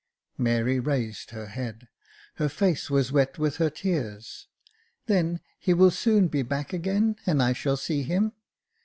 Mary raised her head — her face was wet with her tears. *' Then, he will soon be back again, and I shall see him.